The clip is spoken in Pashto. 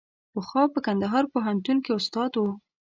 پخوا په کندهار پوهنتون کې استاد و.